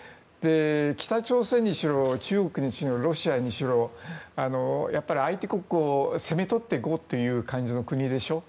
北朝鮮にしろ中国にしろ、ロシアにしろ相手国を攻め取ってこうという感じの国でしょう。